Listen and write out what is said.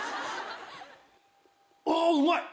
あうまい！